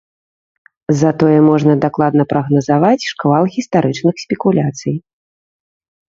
Затое можна дакладна прагназаваць шквал гістарычных спекуляцый.